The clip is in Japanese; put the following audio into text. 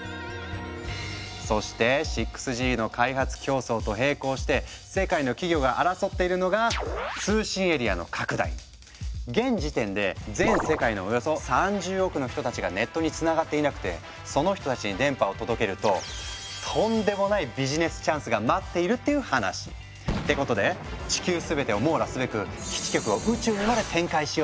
そして６Ｇの開発競争と並行して世界の企業が争っているのが現時点で全世界のおよそ３０億の人たちがネットにつながっていなくてその人たちに電波を届けるととんでもないビジネスチャンスが待っているっていう話。ってことで地球すべてを網羅すべく基地局を宇宙にまで展開しようとしている。